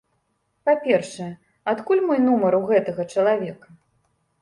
Па-першае, адкуль мой нумар у гэтага чалавека?